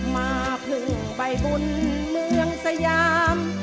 มาพึ่งใบบุญเมืองสยาม